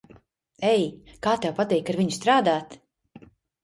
Ei, kā tev patīk ar viņu strādāt?